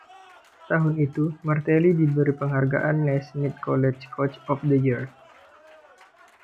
Tahun itu, Martelli diberi penghargaan Naismith College Coach of the Year.